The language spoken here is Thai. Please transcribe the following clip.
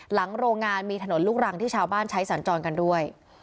โรงงานมีถนนลูกรังที่ชาวบ้านใช้สัญจรกันด้วย